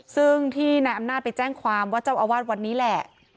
ซึ่งที่นายอำนาจไปแจ้งความว่าเจ้าอาวาสวัดนี้แหละ